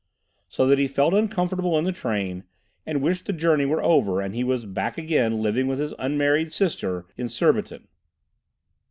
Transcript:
So that he felt uncomfortable in the train, and wished the journey were over and he was back again living with his unmarried sister in Surbiton.